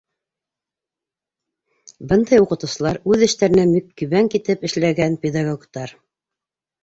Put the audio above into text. Бындай уҡытыусылар үҙ эштәренә мөккибән китеп эшләгән педагогтар.